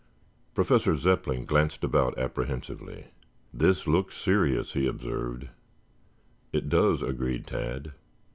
Professor Zepplin glanced about apprehensively. "This looks serious," he observed. "It does," agreed Tad.